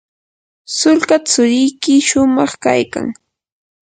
sulka tsurikiy shumaq kaykan.